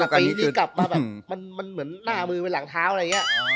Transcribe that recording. ปีนี้กลับมาแบบมันเหมือนหน้ามือเป็นหลังเท้าอะไรอย่างนี้